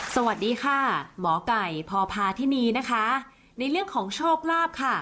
สวัสดีค่ะหมอไก่พพาธินีนะคะในเรื่องของโชคลาภค่ะ